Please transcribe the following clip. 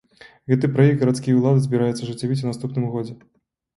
Гэты праект гарадскія ўлады збіраюцца ажыццявіць у наступным годзе.